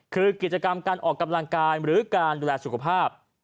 คือกิจกรรมการออกกำลังกายหรือการดูแลสุขภาพ